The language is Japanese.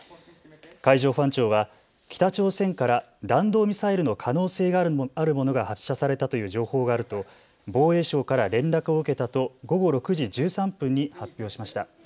海上保安庁は北朝鮮から弾道ミサイルの可能性があるものが発射されたという情報があると防衛省から連絡を受けたと午後６時１３分に発表しました。